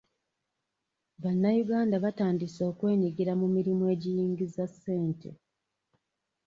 Bannayuganda batandise okwenyigira mu mirimu egyiyingiza ssente.